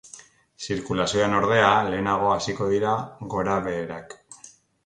Zirkulazioan, ordea, lehenago hasiko dira gorabeherak.